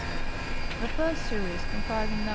The first series, comprising Nos.